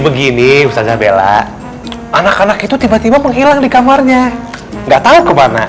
begini misalnya bella anak anak itu tiba tiba menghilang di kamarnya enggak tahu kemana